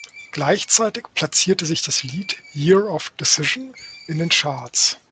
Gleichzeitig platzierte sich das Lied "Year of Decision" in den Charts.